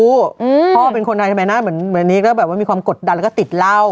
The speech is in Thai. พ่อเป็นคนไทยทำไมหน้าเหมือนอันนี้ก็แบบว่ามีความกดดันแล้วก็ติดเหล้า